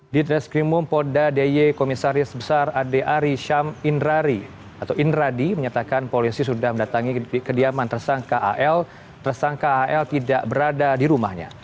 di treskrimum polda d y komisaris besar ade ari syam indrari atau indradi menyatakan polisi sudah mendatangi kediaman tersangka al tersangka al tidak berada di rumahnya